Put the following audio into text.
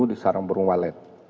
di saram burung walet